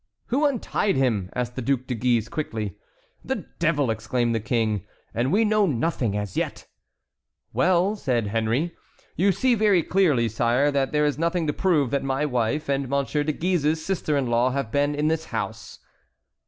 "Who untied him?" asked the Duc de Guise, quickly. "The devil!" exclaimed the King, "and we know nothing as yet." "Well!" said Henry, "you see very clearly, sire, that there is nothing to prove that my wife and Monsieur de Guise's sister in law have been in this house."